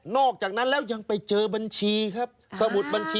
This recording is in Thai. นอกจากนั้นแล้วยังไปเจอบัญชีครับ